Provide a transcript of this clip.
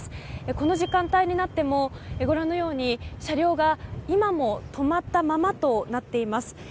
この時間帯になっても車両が今も止まったままとなっています。